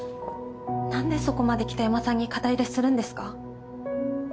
何でそこまで北山さんに肩入れするんですか？